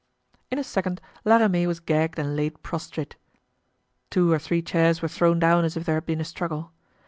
In a second La Ramee was gagged and laid prostrate. Two or three chairs were thrown down as if there had been a struggle.